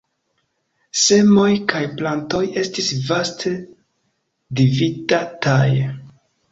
Semoj kaj plantoj estis vaste dividataj.